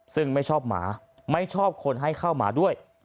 ซึ่งไม่ชอบหมาไม่ชอบคนให้เข้ามาด้วย